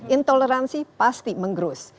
intoleransi pasti mengerus